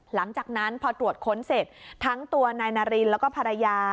หลังจากนั้นพอตรวจค้นเสร็จทั้งตัวนายนารินแล้วก็ภรรยา